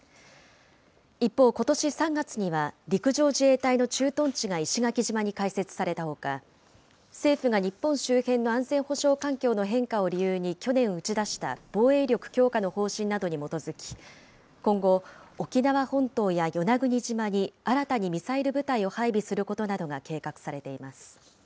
一方、ことし３月には陸上自衛隊の駐屯地が石垣島に開設されたほか、政府が日本周辺の安全保障環境の変化を理由に去年打ち出した防衛力強化の方針などに基づき、今後、沖縄本島や与那国島に新たにミサイル部隊を配備することなどが計画されています。